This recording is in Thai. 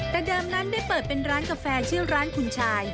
แต่เดิมนั้นได้เปิดเป็นร้านกาแฟชื่อร้านคุณชาย